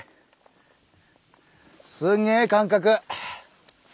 すげえ感覚。